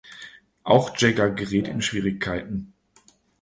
Auch Jagger gerät in Schwierigkeiten.